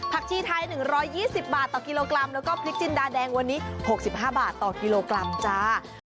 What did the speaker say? ชีไทย๑๒๐บาทต่อกิโลกรัมแล้วก็พริกจินดาแดงวันนี้๖๕บาทต่อกิโลกรัมจ้า